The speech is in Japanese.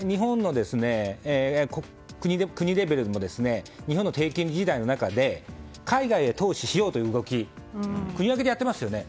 今、国レベルでも日本の低金利の中で海外へ投資しようという動き国を挙げてやっていますよね。